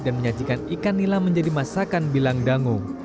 dan menyajikan ikan nila menjadi masakan bilandango